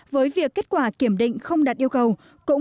với việc kết quả kiểm định không đạt yêu cầu